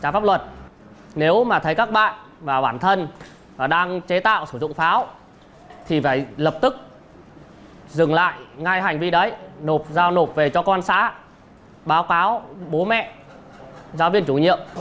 pháp luật nếu mà thấy các bạn và bản thân đang chế tạo sử dụng pháo thì phải lập tức dừng lại ngay hành vi đấy nộp giao nộp về cho con xá báo cáo bố mẹ giáo viên chủ nhiệm